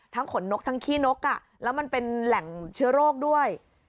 ขนนกทั้งขี้นกแล้วมันเป็นแหล่งเชื้อโรคด้วย